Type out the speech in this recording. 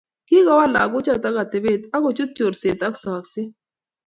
Kikowal lagochoto atebet akochut chorset ak sokset